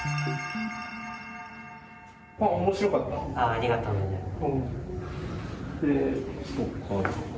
ありがとうございます。